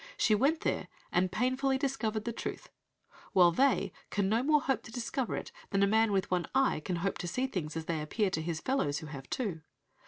She went there and painfully discovered the truth, while they can no more hope to discover it than a man with one eye can hope to see things as they appear to his fellows who have two.